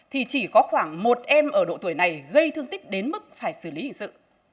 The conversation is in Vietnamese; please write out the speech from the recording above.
thì chỉ có khoảng một em ở độ tuổi này gây thương tích đến mức phải xử lý hình sự